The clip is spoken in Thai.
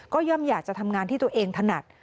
ก็ย่อมอยากจะทำงานที่ตัวเองถนัด